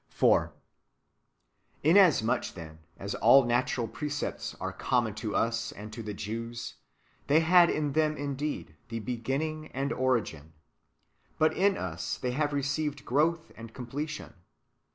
4. Inasmuch, then, as all natural precepts are common to us and to them (the Jews), they had in them indeed the beginning and origin ; but in us they have received growth and completion.